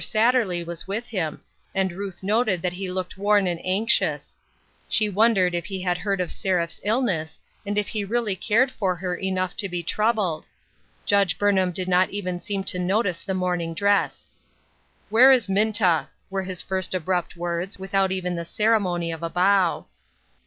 Satterley was with him, and Ruth noted that he looked worn and anxious ; she wondered if he had heard of Seraph's illness, and if he really cared for her enough to be troubled ; Judge Burnham did not even seem to notice the morning dress. " Where is Minta ?" were his first abrupt words, without even the ceremony of a bow.